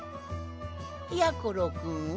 やころくんは？